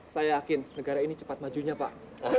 saya yakin negara ini cepat majunya pak